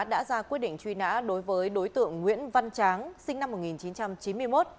đã ra quyết định truy nã đối với đối tượng nguyễn văn tráng sinh năm một nghìn chín trăm chín mươi một